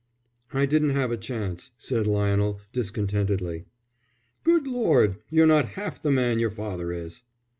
"I didn't have a chance," said Lionel, discontentedly. "Good Lord! You're not half the man your father is."